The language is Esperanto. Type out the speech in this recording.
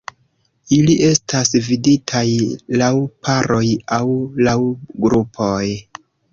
Ili estas vidataj laŭ paroj aŭ laŭ grupoj.